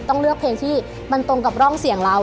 ต้องเลือกเพลงที่มันตรงกับร่องเสียงเรา